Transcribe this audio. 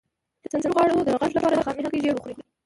د سندرغاړو د غږ لپاره د خامې هګۍ ژیړ وخورئ